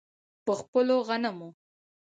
په خپلو غنمو.